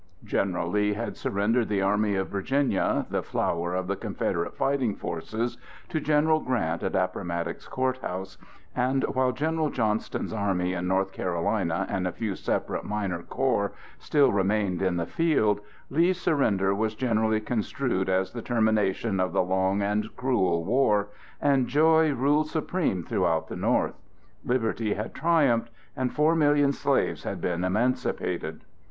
General Lee had surrendered the army of Virginia, the flower of the Confederate fighting forces, to General Grant at Appomattox Court House, and while General Johnston's army in North Carolina, and a few separate minor corps, still remained in the field, Lee's surrender was generally construed as the termination of the long and cruel war, and joy ruled supreme throughout the North. Liberty had triumphed, and four million slaves had been emancipated!